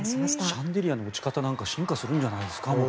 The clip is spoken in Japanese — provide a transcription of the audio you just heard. シャンデリアとか進化するんじゃないですか。